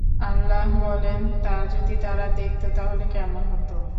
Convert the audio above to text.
আল্লাহ বলেন, তা যদি তারা দেখত তাহলে কেমন হতো?